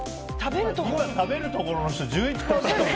今食べるところの人１１％。